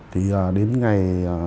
thì đến ngày một mươi một